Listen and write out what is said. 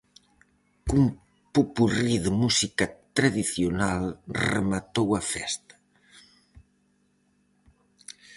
Cun popurrí de música tradicional, rematou a festa.